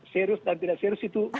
serius dan tidak serius itu